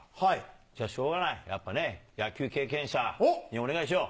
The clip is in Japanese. じゃあしょうがない、やっぱね、野球経験者にお願いしよう。